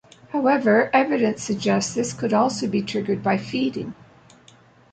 However, evidence suggests this could also be triggered by feeding.